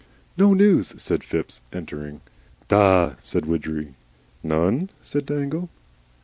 "No news," said Phipps, entering. "Ah!" said Widgery. "None?" said Dangle.